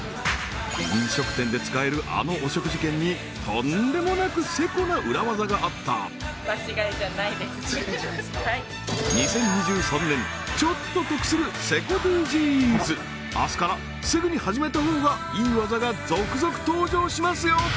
飲食店で使えるあのお食事券にとんでもなくセコな裏技があった２０２３年ちょっと得するセコＤＧｓ明日からすぐに始めたほうがいい技が続々登場しますよ